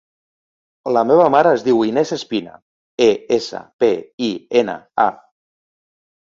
La meva mare es diu Inés Espina: e, essa, pe, i, ena, a.